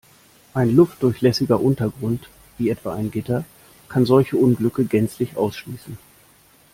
Ein luftdurchlässiger Untergrund, wie etwa ein Gitter, kann solche Unglücke gänzlich ausschließen.